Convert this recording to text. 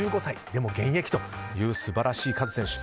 でも現役という素晴らしいカズ選手。